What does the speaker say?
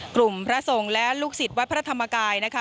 พระสงฆ์และลูกศิษย์วัดพระธรรมกายนะคะ